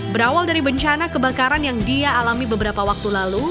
berawal dari bencana kebakaran yang dia alami beberapa waktu lalu